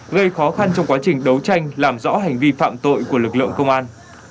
gây khó khăn trong quá trình đấu tranh làm rõ hành vi phạm tội của lực lượng công an